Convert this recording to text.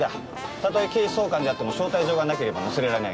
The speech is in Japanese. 例え警視総監であっても招待状がなければ乗せられない。